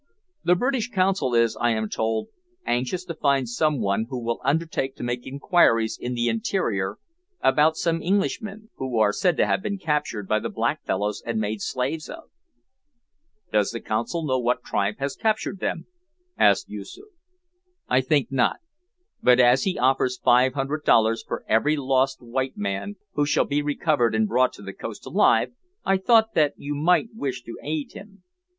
"The British consul is, I am told, anxious to find some one who will undertake to make inquiries in the interior about some Englishmen, who are said to have been captured by the black fellows and made slaves of." "Does the consul know what tribe has captured them?" asked Yoosoof. "I think not; but as he offers five hundred dollars for every lost white man who shall be recovered and brought to the coast alive, I thought that you might wish to aid him!"